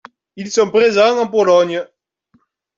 Ils sont présents en Pologne.